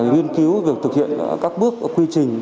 nghiên cứu việc thực hiện các bước quy trình